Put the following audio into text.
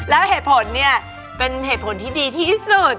แล้วเหตุผลเนี่ยเป็นเหตุผลที่ดีที่สุด